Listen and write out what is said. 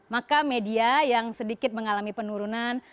maka media yang sedikit mengalami penurunan